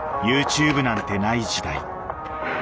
ユーチューブなんてない時代。